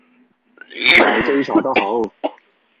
有基礎都好